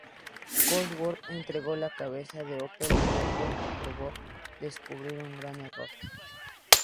Cosworth entregó las cabezas a Opel y Opel pronto descubrió un gran error.